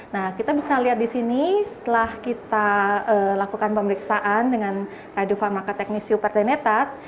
nah kita bisa lihat di sini setelah kita lakukan pemeriksaan dengan radiofarmaka teknis supertrainetat